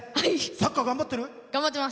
サッカー頑張ってる？